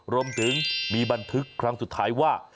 รวมถึงมีบันทึกครั้งสุดท้ายว่า